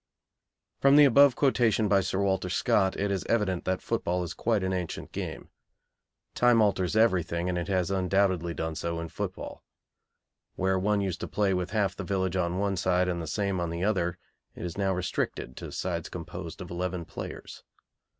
From the above quotation by Sir Walter Scott, it is evident that football is quite an ancient game. Time alters everything, and it has undoubtedly done so in football. Where one used to play with half the village on one side and the same on the other, it is now restricted to sides composed of eleven players.